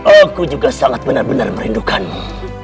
aku juga sangat benar benar merindukanmu